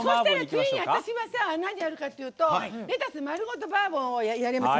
次に私は何やるかって言うと「レタス丸ごとマーボー」をやります。